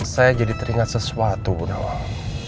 saya jadi teringat sesuatu bu nawal